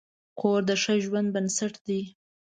کور د ښه ژوند بنسټ دی.